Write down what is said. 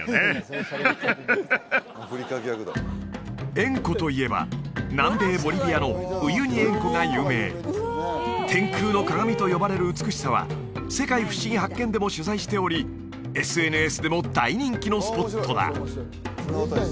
塩湖といえば南米ボリビアのウユニ塩湖が有名天空の鏡と呼ばれる美しさは「世界ふしぎ発見！」でも取材しておりＳＮＳでも大人気のスポットだ